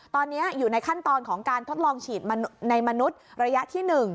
ตอนนี้อยู่ในขั้นตอนของการทดลองฉีดในมนุษย์ระยะที่๑